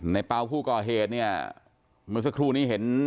ในเป๋าผู้ก่อเหตุเหมือนสักครู่นี้